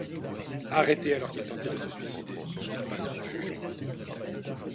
Arrêté alors qu'il tentait de se suicider, il passe en jugement.